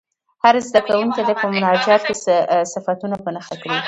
هر زده کوونکی دې په مناجات کې صفتونه په نښه کړي.